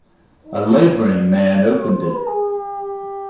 A labouring man opened it.